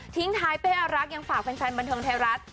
ที่ยุ่งท้ายเป๊อรักยังฝากแฟนบรรเทิงไทยรัฐ